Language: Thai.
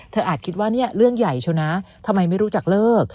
อาจคิดว่าเนี่ยเรื่องใหญ่เชียวนะทำไมไม่รู้จักเลิก